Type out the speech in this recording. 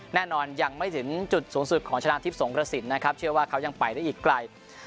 แน่นอนยังไม่ถึงจุดสูงสุดของชนะทิพย์สงกระสินนะครับเชื่อว่าเขายังไปได้อีกไกล